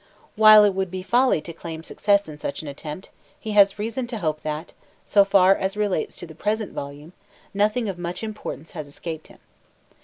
While it would be folly to claim success in such an attempt, he has reason to hope that, so far at least as relates to the present volume, nothing of much importance has escaped him.